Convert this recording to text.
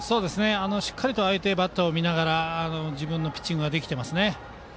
しっかり相手バッターを見ながら自分のピッチングができていますね。